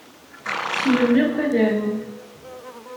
Ssnen akk ad arun.